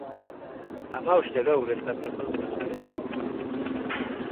Hamabostero ureztatzen dut landarea.